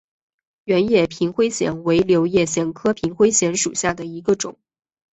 圆叶平灰藓为柳叶藓科平灰藓属下的一个种。